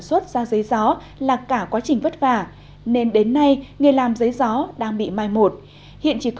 xuất ra giấy gió là cả quá trình vất vả nên đến nay nghề làm giấy gió đang bị mai một hiện chỉ có